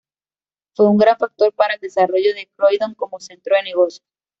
Fue un gran factor para el desarrollo de Croydon como centro de negocios.